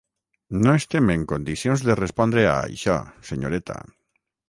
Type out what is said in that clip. No estem en condicions de respondre a això, senyoreta.